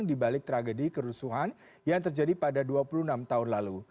di balik tragedi kerusuhan yang terjadi pada dua puluh enam tahun lalu